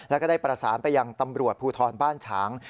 แล้วก็ได้ประสานไปยังตำรวจภูทรบ้านฉาง